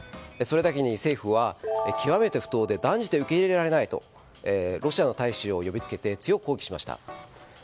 それだけに政府は、極めて不当で断じて受け入れられないとロシアの大使を呼びつけて強く抗議しました。